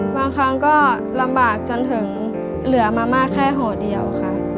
บางครั้งก็ลำบากจนถึงเหลือมามากแค่ห่อเดียวค่ะ